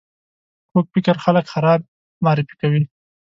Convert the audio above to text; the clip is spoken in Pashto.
کوږ فکر خلک خراب معرفي کوي